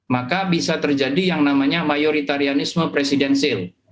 maka bisa terjadi yang namanya mayoritarianisme presidensil